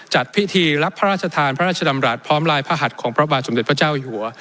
จัดพิธีรับพระราชทานพระราชดำรัฐพร้อมลายพระหัสของพระบาทสมเด็จพระเจ้าอยู่หัว